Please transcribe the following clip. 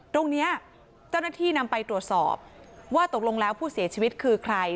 ตรงนี้เจ้าหน้าที่นำไปตรวจสอบว่าตกลงแล้วผู้เสียชีวิตคือใคร